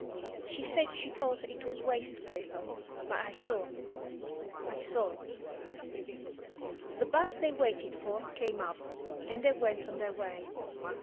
She said she thought it was waste paper, but I saw, I saw." The 'bus they waited for came up, and they went on their way.